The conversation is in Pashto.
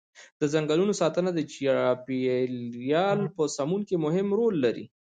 د ځنګلونو ساتنه د چاپیریال په سمون کې مهم رول لري.